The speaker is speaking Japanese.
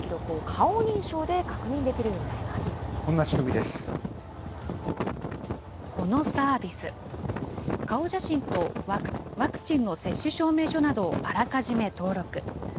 顔写真とワクチンの接種証明書などをあらかじめ登録。